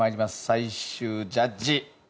最終ジャッジ。